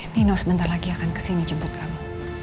nino sebentar lagi akan kesini jemput kami